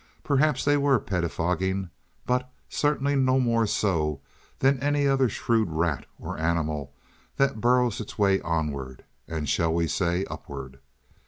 Perhaps they were pettifogging, but certainly no more so than any other shrewd rat or animal that burrows its way onward—and shall we say upward?